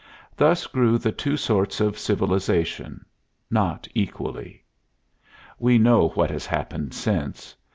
Thus grew the two sorts of civilization not equally. We know what has happened since.